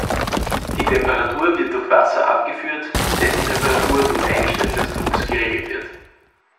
Die Temperatur wird durch Wasser abgeführt, dessen Temperatur durch Einstellen des Drucks geregelt wird.